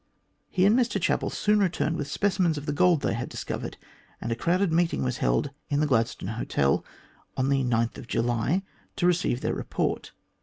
He and Mr Chapel soon returned with speci mens of the gold they had discovered, and a crowded meeting was held in the Gladstone Hotel, on July 9, to receive their report.